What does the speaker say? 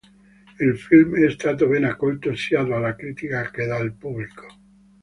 Il film è stato ben accolto sia dalla critica che dal pubblico.